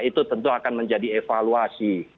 itu tentu akan menjadi evaluasi